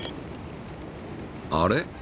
あれ？